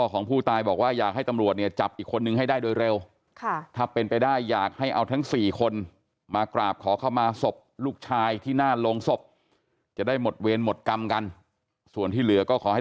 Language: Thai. ก็ไม่อยากก็ให้มันตายทุกสบายแค่นั้นแหละ